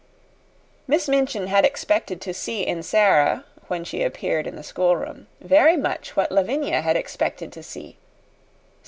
Miss Minchin had expected to see in Sara, when she appeared in the schoolroom, very much what Lavinia had expected to see.